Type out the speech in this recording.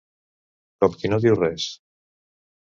Com qui no diu res.